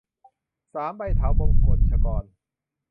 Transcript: สามใบเถา - บงกชกร